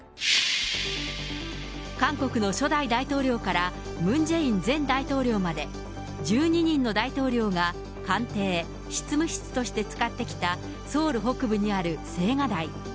韓国の初代大統領からムン・ジェイン前大統領まで、１２人の大統領が官邸、執務室として使ってきた、ソウル北部にある青瓦台。